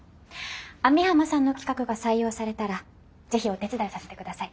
網浜さんの企画が採用されたらぜひお手伝いさせて下さい。